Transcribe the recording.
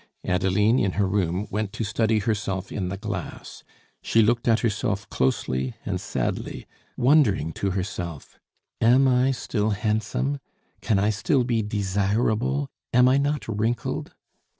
Adeline, in her room, went to study herself in the glass. She looked at herself closely and sadly, wondering to herself: "Am I still handsome? Can I still be desirable? Am I not wrinkled?"